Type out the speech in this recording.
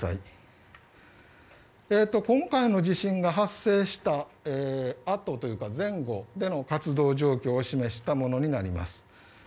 今回の地震が発生したあとというか前後での活動状況を示したものになります。